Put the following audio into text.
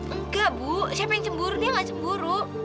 enggak bu siapa yang cemburu dia nggak cemburu